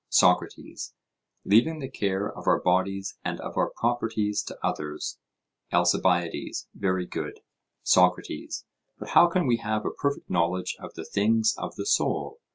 SOCRATES: Leaving the care of our bodies and of our properties to others? ALCIBIADES: Very good. SOCRATES: But how can we have a perfect knowledge of the things of the soul?